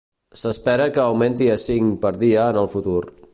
S'espera que augmenti a cinc per dia en el futur.